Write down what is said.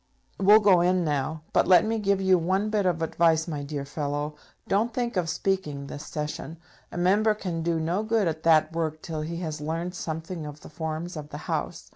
We'll go in now; but let me give you one bit of advice, my dear fellow don't think of speaking this session. A Member can do no good at that work till he has learned something of the forms of the House.